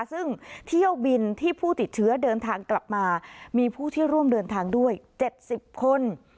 ซึ่งเที่ยวบินที่ผู้ติดเชื้อเดินทางกลับมามีผู้ที่ร่วมเดินทางด้วย๗๐คน